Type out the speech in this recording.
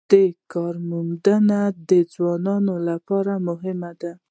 د کار موندنه د ځوانانو لپاره مهمه ده